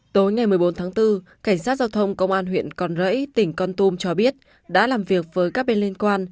tối ngày một mươi bốn tháng bốn cảnh sát giao thông công an huyện con rẫy tỉnh con tum cho biết đã làm việc với các bên liên quan